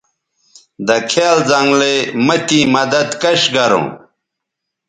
دکھیال زنگلئ مہ تیں مدد کش گروں